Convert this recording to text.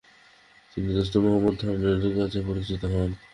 তিনি দোস্ত মুহাম্মদ খানের কাছে পরাজিত হন।